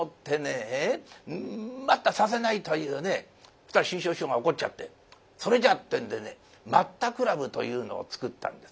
そしたら志ん生師匠が怒っちゃってそれじゃってんでね待った倶楽部というのを作ったんです。